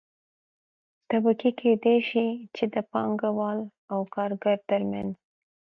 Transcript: طبقې کيدى شي چې د پانګه وال او کارګر ترمنځ